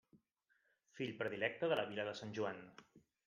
Fill predilecte de la vila de Sant Joan.